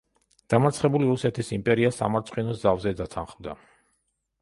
დამარცხებული რუსეთის იმპერია სამარცხვინო ზავზე დათანხმდა.